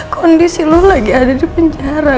kondisi lu lagi ada di penjara